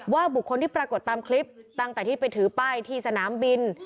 บุคคลที่ปรากฏตามคลิปตั้งแต่ที่ไปถือป้ายที่สนามบิน